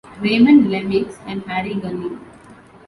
Raymond Lemieux and Harry Gunning.